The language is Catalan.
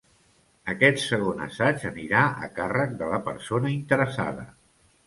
Aquest segon assaig anirà a càrrec de la persona interessada.